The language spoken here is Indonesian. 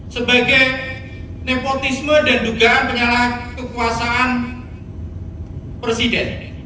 sebagai nepotisme dan dugaan penyalah kekuasaan presiden